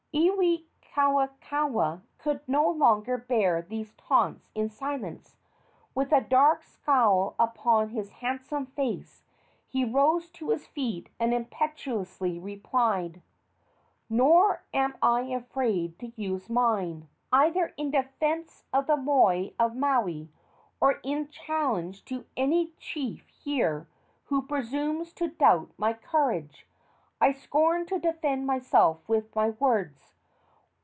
Iwikauikaua could no longer bear these taunts in silence. With a dark scowl upon his handsome face, he rose to his feet and impetuously replied: "Nor am I afraid to use mine, either in defence of the moi of Maui or in challenge to any chief here who presumes to doubt my courage! I scorn to defend myself with words!